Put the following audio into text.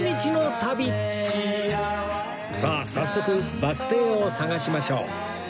さあ早速バス停を探しましょう